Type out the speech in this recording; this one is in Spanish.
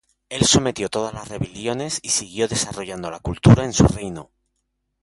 Él sometió todas las rebeliones y siguió desarrollando la cultura en su reino.